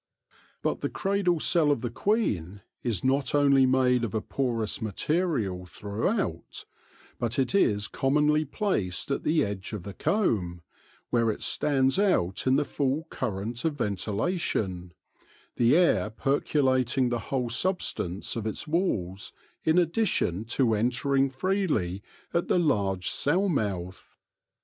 But the cradle cell of the queen is not only made of a porous material throughout, but it is com monly placed at the edge of the comb, where it stands out in the full current of ventilation, the air percolating the whole substance of its walls in addi tion to entering freely at the large cell mouth.